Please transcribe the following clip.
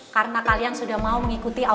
karena kalian sudah mau mengikuti video saya